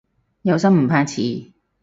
有心唔怕遲